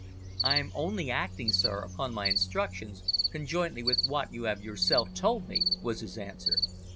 "I'm only acting, sir, upon my instructions, conjointly with what you have yourself told me," was his answer.